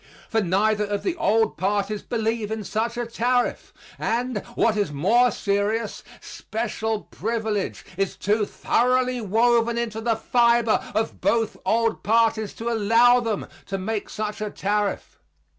For neither of the old parties believes in such a tariff; and, what is more serious, special privilege is too thoroughly woven into the fiber of both old parties to allow them to make such a tariff.